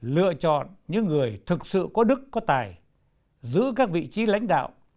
lựa chọn những người thực sự có đức có tài giữ các vị trí lãnh đạo